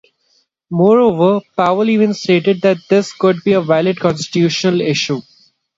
Moreover, Powell even stated that this could be a valid constitutional issue.